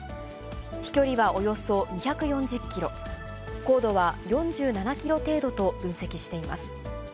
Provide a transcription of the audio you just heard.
飛距離はおよそ２４０キロ、高度は４７キロ程度と分析しています。